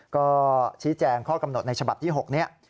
ก็ชี้แจงข้อกำหนดในฉบับที่๖นี้